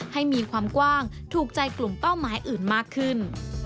ให้มีความกว้างถูกใจกลุ่มเป้าหมายอื่นมากขึ้น